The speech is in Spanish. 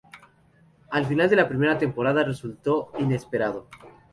El final de la primera temporada resultó inesperado.